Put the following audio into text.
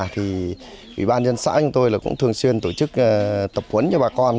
thì ủy ban dân xã của tôi cũng thường xuyên tổ chức tập huấn cho bà con